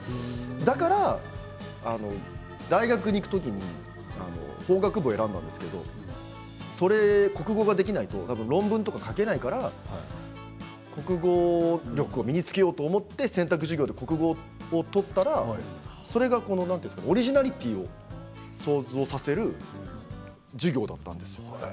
だから大学に行く時に法学部を選んだんですけど国語ができないと論文とか書けないから国語力を身につけようと思って選択授業で国語を取ったらそれがオリジナリティーを想像させる授業だったんです。